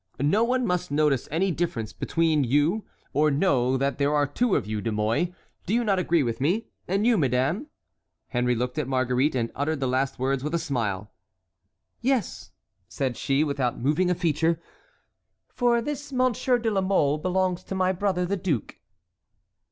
No one must notice any difference between you, or know that there are two of you, De Mouy. Do you not agree with me? And you, madame?" Henry looked at Marguerite and uttered the last words with a smile. "Yes," said she, without moving a feature; "for this Monsieur de la Mole belongs to my brother, the duke."